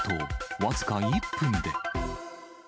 僅か１分で。